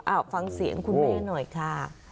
เอาฟังเสียงคุณแม่หน่อยค่ะ